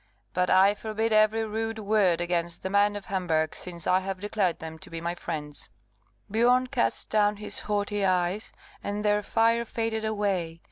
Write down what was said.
But I forbid every rude word against the men of Hamburgh, since I have declared them to be my friends." Biorn cast down his haughty eyes, and their fire faded away.